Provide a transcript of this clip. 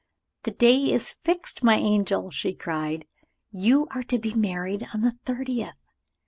"The day is fixed, my angel!" she cried; "You are to be married on the thirtieth!"